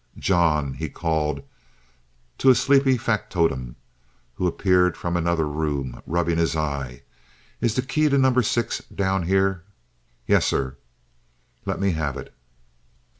John," he called to a sleepy factotum, who appeared from another room, rubbing his eyes, "is the key to Number Six down here?" "Yes, sir." "Let me have it."